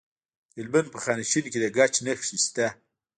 د هلمند په خانشین کې د ګچ نښې شته.